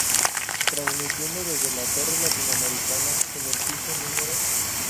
Transmitiendo desde la Torre Latinoamericana en el piso Num.